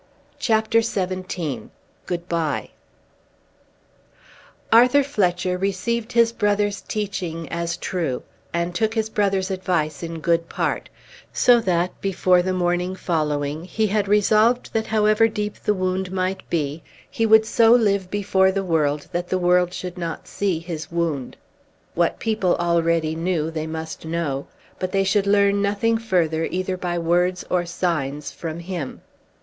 CHAPTER XVII Good Bye Arthur Fletcher received his brother's teaching as true, and took his brother's advice in good part; so that, before the morning following, he had resolved that however deep the wound might be, he would so live before the world, that the world should not see his wound. What people already knew they must know, but they should learn nothing further either by words or signs from him.